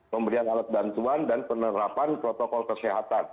pemberian alat bantuan dan penerapan protokol kesehatan